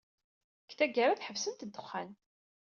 Deg tgara, tḥebsemt ddexxan.